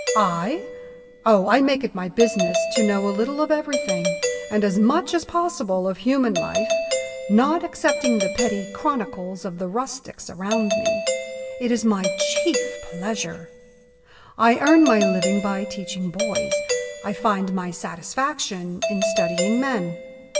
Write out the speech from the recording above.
"I? Oh, I make it my business to know a little of everything, and as much as possible of human life, not excepting the petty chronicles of the rustics around me. It is my chief pleasure. I earn my living by teaching boys. I find my satisfaction in studying men.